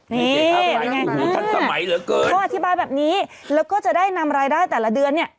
นี่เขาอธิบายแบบนี้แล้วก็จะได้นำรายได้แต่ละเดือนเนี้ย